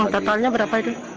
totalnya berapa itu